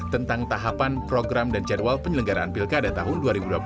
tentang tahapan program dan jadwal penyelenggaraan pilkada tahun dua ribu dua puluh